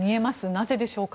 なぜでしょうか。